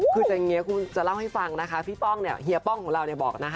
คืออย่างนี้คุณจะเล่าให้ฟังนะคะพี่ป้องเนี่ยเฮียป้องของเราเนี่ยบอกนะคะ